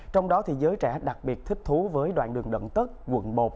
trong đó thì giới trẻ đặc biệt thích thú với đoạn đường đặng tất quận một